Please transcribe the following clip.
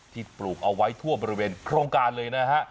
ปลูกเอาไว้ทั่วบริเวณโครงการเลยนะฮะ